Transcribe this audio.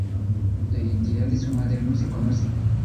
La identidad de su madre no se conoce.